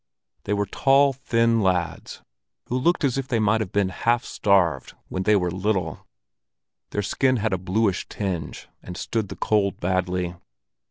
They were tall, thin lads, who looked as if they might have been half starved when they were little; their skin had a bluish tinge, and stood the cold badly.